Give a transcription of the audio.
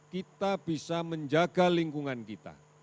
kita bisa menjaga lingkungan kita